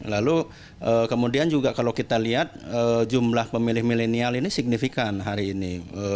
lalu kemudian juga kalau kita lihat jumlah pemilih milenial ini signifikan hari ini